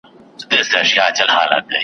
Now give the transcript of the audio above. « درست پښتون له کندهاره تر اټکه سره خپل وي» .